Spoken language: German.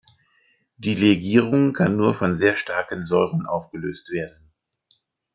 Die Legierung kann nur von sehr starken Säuren aufgelöst werden.